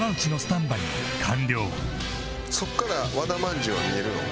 そこから和田まんじゅうは見えるの？